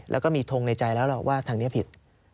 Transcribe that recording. แล้วก็มีทงในใจแล้วล่ะว่าทางนี้ผิด